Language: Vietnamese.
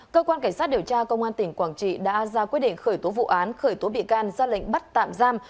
cơ quan cảnh sát điều tra công an tỉnh quảng trị đã ra quyết định khởi tố vụ án khởi tố bị can ra lệnh bắt tạm giam